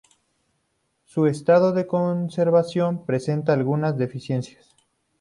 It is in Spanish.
Su estado de conservación presenta algunas deficiencias.